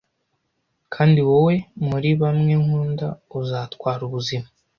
Kandi wowe muri bamwe nkunda uzatwara ubuzima